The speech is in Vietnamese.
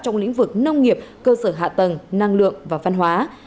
trong lĩnh vực nông nghiệp cơ sở hạ tầng năng lượng và văn hóa